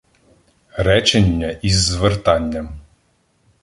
Речення із звертанням